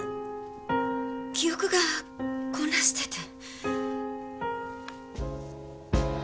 記憶が混乱してて。